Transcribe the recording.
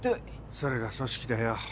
それが組織だよ。